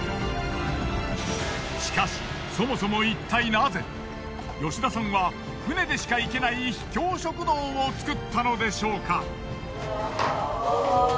しかしそもそもいったいナゼ吉田さんは船でしか行けない秘境食堂を作ったのでしょうか？